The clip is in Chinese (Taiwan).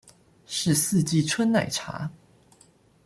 是四季春奶茶